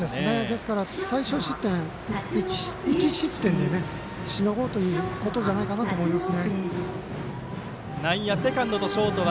ですから最少失点１失点でしのごうということじゃないかなと思います。